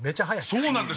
そうなんです。